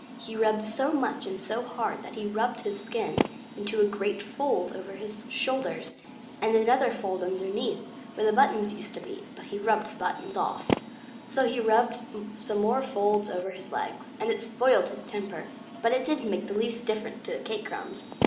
He rubbed so much and so hard that he rubbed his skin into a great fold over his shoulders, and another fold underneath, where the buttons used to be (but he rubbed the buttons off), and he rubbed some more folds over his legs. And it spoiled his temper, but it didn't make the least difference to the cake crumbs.